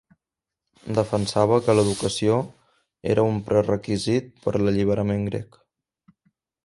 Defensava que l'educació era un prerequisit per a l'alliberament grec.